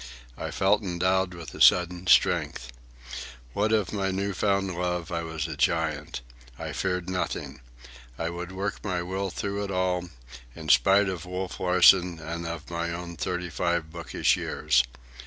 I felt endowed with a sudden strength. What of my new found love, I was a giant. I feared nothing. I would work my will through it all, in spite of Wolf Larsen and of my own thirty five bookish years.